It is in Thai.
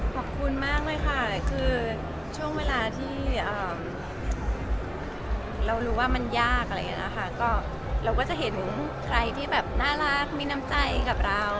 ขอบคุณมากเลยค่ะช่วงเวลาที่เรารู้ว่ามันยากเราก็จะเห็นใครที่น่ารักมีน้ำใจกับเรา